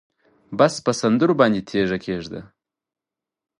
بس په سندرو باندې تیږه کېږده